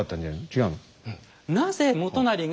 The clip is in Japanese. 違うの？